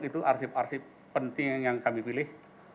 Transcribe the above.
itu arsip arsip penting yang kami pilih